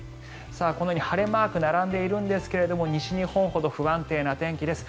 このように晴れマークが並んでいるんですけども西日本ほど不安定な天気です。